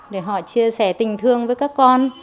để họ chia sẻ tình thương với các con